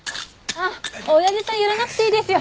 あっおやじさんはやらなくていいですよ。